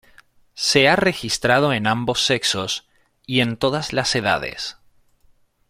Se ha registrado en ambos sexos y en todas las edades.